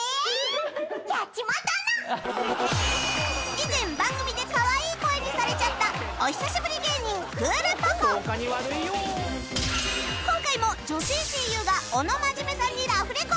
以前番組でかわいい声にされちゃった今回も女性声優が小野まじめさんにラフレコ